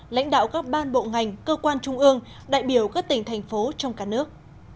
lãnh đạo các ban bộ ngành cơ quan trung ương đại biểu các tỉnh thành phố trong cả nước